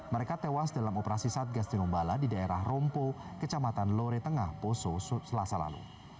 mereka tewas dalam operasi satgas tinombala di daerah rompo kecamatan lore tengah poso selasa lalu